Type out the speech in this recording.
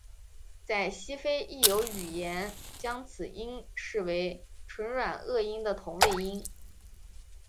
在西非亦有语言将此音视为唇软腭音的同位音。